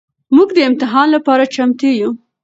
مونږ د امتحان لپاره چمتو يو.